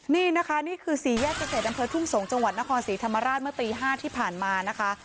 นี่นะคะนี่คือสี่แยกเกษตรอำเภอทุ่งสงศ์จังหวัดนครศรีธรรมราชเมื่อตี๕ที่ผ่านมานะคะ